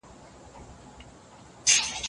چي تنې ته یې ورپام سو نو یې وتوږل پوستونه